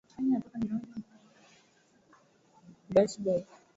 Mimi ni mkuu wake kwa kila kitu.